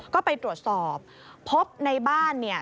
ก็ไปตรวจสอบพบในบ้าน